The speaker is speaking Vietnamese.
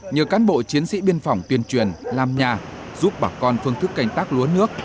nhờ cán bộ chiến sĩ biên phòng tuyên truyền làm nhà giúp bà con phương thức canh tác lúa nước